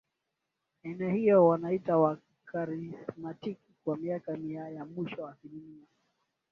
aina hiyo wanaitwa Wakarismatiki Kwa miaka Mia ya mwisho asilimia